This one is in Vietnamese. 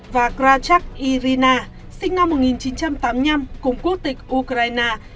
và krachak irina sinh năm một nghìn chín trăm tám mươi năm cùng quốc tịch ukraine